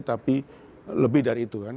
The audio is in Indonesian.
tapi lebih dari itu kan